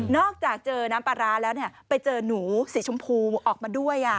อกจากเจอน้ำปลาร้าแล้วไปเจอหนูสีชมพูออกมาด้วย